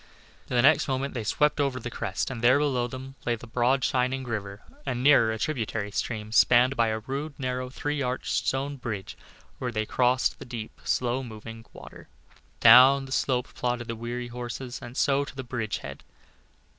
The next moment they swept over the crest, and there, below them, lay the broad shining river, and nearer a tributary stream spanned by a rude, narrow, three arched, stone bridge where the road crossed the deep, slow moving water. Down the slope plodded the weary horses, and so to the bridge head.